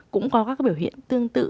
cũng có các biểu hiện tương tự